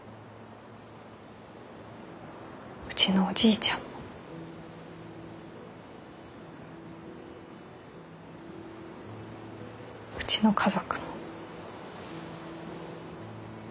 うちのおじいちゃんもうちの家族も。